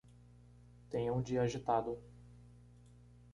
Tenha um dia agitado?